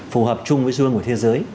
phù hợp chung với dương của thế giới